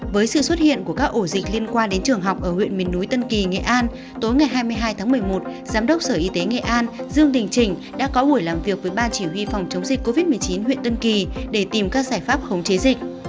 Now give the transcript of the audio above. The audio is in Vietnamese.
với sự xuất hiện của các ổ dịch liên quan đến trường học ở huyện miền núi tân kỳ nghệ an tối ngày hai mươi hai tháng một mươi một giám đốc sở y tế nghệ an dương đình trình đã có buổi làm việc với ban chỉ huy phòng chống dịch covid một mươi chín huyện tân kỳ để tìm các giải pháp khống chế dịch